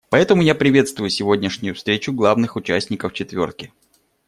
Поэтому я приветствую сегодняшнюю встречу главных участников «четверки».